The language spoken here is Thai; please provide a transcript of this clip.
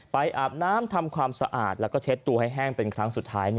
อาบน้ำทำความสะอาดแล้วก็เช็ดตัวให้แห้งเป็นครั้งสุดท้าย